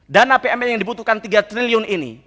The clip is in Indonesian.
dana pmn yang dibutuhkan tiga triliun ini